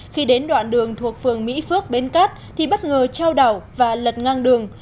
khi đến đoạn đường thuộc phường mỹ phước bến cát thì bất ngờ trao đảo và lật ngang đường